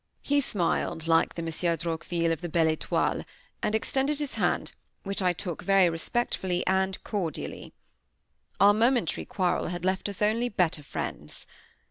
He smiled like the Monsieur Droqville of the Belle Étoile, and extended his hand, which I took very respectfully and cordially. Our momentary quarrel had left us only better friends.